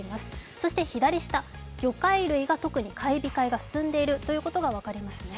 そして左下、魚介類が特に買い控えが進んでいることが分かりますね。